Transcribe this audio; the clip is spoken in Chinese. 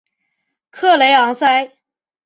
克雷昂塞。